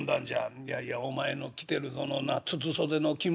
「いやいやお前の着てるその筒袖の着物。